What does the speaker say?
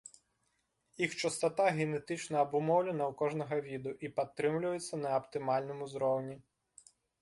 Іх частата генетычна абумоўлена ў кожнага віду і падтрымліваецца на аптымальным узроўні.